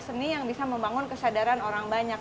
seni yang bisa membangun kesadaran orang banyak